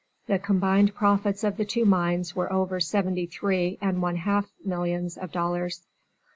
The combined profits of the two mines were over seventy three and one half millions of dollars.